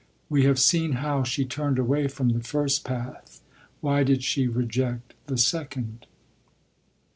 We have seen how she turned away from the first path. Why did she reject the second?